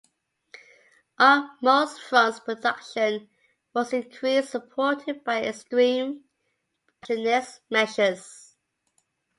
On most fronts production was increased, supported by extreme protectionist measures.